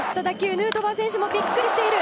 ヌートバー選手もビックリしている。